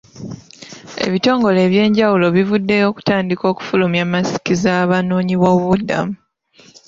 Ebitongole eby'enjawulo bivuddeyo okutandika okufulumya masiki z'abanoonyi b'obubudamu.